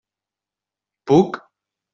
Puc?